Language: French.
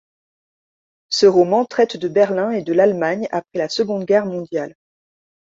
Ce roman traite de Berlin et de l'Allemagne après la Seconde Guerre mondiale.